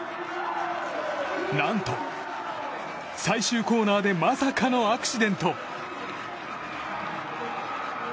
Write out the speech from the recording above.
何と最終コーナーでまさかのアクシデント。